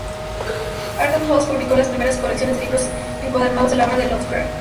Arkham House publicó las primeras colecciones de libros encuadernados de la obra de Lovecraft.